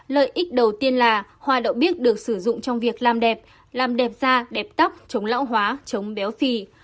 lợi ích đầu tiên là hoa đậu bích được sử dụng trong việc làm đẹp làm đẹp da đẹp tóc chống lão hóa chống béo phì